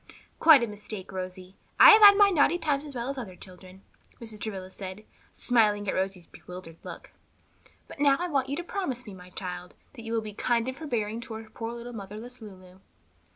"Quite a mistake, Rosie; I had my naughty times as well as other children," Mrs. Travilla said, smiling at Rosie's bewildered look. "But now I want you to promise me, my child, that you will be kind and forbearing toward poor little motherless Lulu."